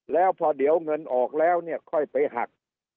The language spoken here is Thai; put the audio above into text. แล้วพอเดี๋ยวเงินออกแล้วเนี่ยค่อยไปหัก